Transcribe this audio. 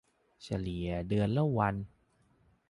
เฉลี่ยเดือนละวัน